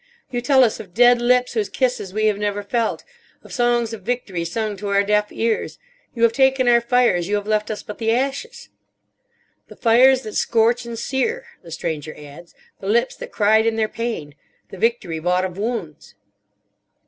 "You tell us of dead lips whose kisses we have never felt, of songs of victory sung to our deaf ears. You have taken our fires, you have left us but the ashes." "The fires that scorch and sear," the Stranger adds, "the lips that cried in their pain, the victory bought of wounds."